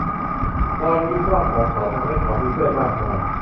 รอยยิ้มกว้างของเขาทำให้เขามีเพื่อนมากมาย